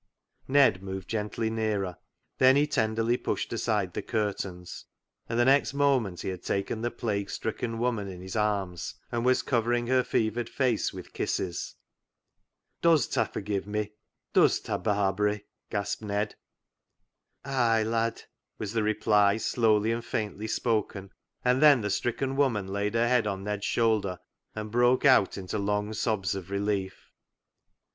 Ned moved gently nearer. Then he ten derly pushed aside the curtains, and the next moment he had taken the plague stricken woman in his arms and was covering her fevered face with kisses. " Does ta forgive me ? Does ta, Barbary ?" gasped Ned. " Ay, lad !" was the reply slowly and faintly spoken, and then the stricken woman laid her head on Ned's shoulder, and broke out into long sobs of relief.